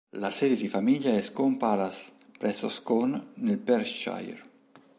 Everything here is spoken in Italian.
La sede di famiglia è Scone Palace, presso Scone, nel Perthshire.